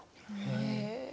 へえ。